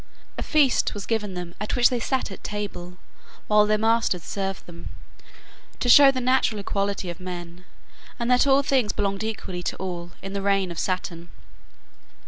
A feast was given them at which they sat at table, while their masters served them, to show the natural equality of men, and that all things belonged equally to all, in the reign of Saturn.